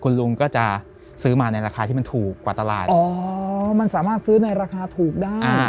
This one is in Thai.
คุณลุงก็จะซื้อมาในราคาที่มันถูกกว่าตลาดอ๋อมันสามารถซื้อในราคาถูกได้